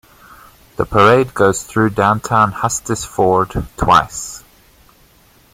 The parade goes through downtown Hustisford twice.